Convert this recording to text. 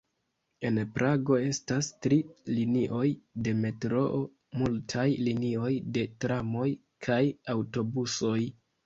En Prago estas tri linioj de metroo, multaj linioj de tramoj kaj aŭtobusoj.